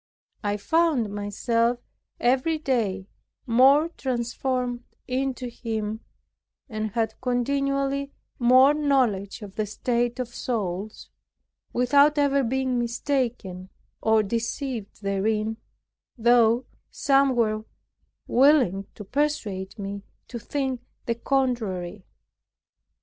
I found myself every day more transformed into Him, and had continually more knowledge of the state of souls, without ever being mistaken or deceived therein, though some were willing to persuade me to think the contrary.